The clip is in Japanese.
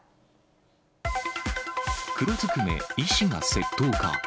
黒ずくめ、医師が窃盗か。